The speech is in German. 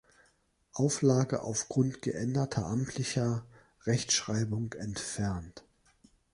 Auflage aufgrund geänderter amtlicher Rechtschreibung entfernt.